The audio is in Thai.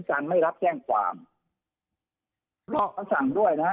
การไม่รับแจ้งความนอกเขาสั่งด้วยนะฮะ